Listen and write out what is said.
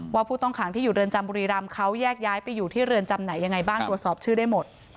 ผู้ต้องขังที่อยู่เรือนจำบุรีรำเขาแยกย้ายไปอยู่ที่เรือนจำไหนยังไงบ้างตรวจสอบชื่อได้หมด